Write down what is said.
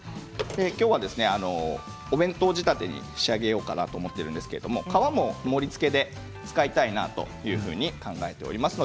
今日はお弁当仕立てに仕上げようかなと思っているんですけど皮も盛りつけで使いたいなというふうに考えております。